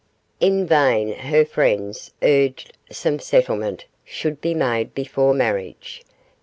In vain her friends urged some settlement should be made before marriage.